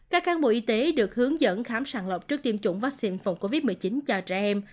các cán bộ y tế được hướng dẫn khám sàng lọc trước tiêm chủng vaccine phòng covid một mươi chín cho trẻ em